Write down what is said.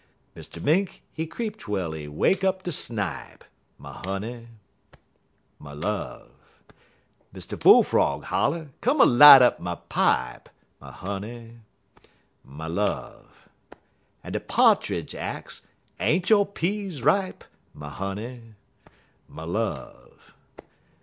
_ Mister Mink, he creep twel he wake up de snipe, My honey, my love! Mister Bull Frog holler, Come a light my pipe , My honey, my love! En de Pa'tridge ax, Ain't yo' peas ripe? My honey, my love!